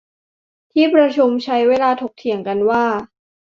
ที่ประชุมใช้เวลาถกเถียงกันว่า